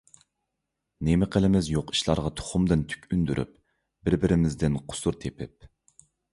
نېمە قىلىمىز يوق ئىشلارغا تۇخۇمدىن تۈك ئۈندۈرۈپ، بىر-بىرىمىزدىن قۇسۇر تېپىپ؟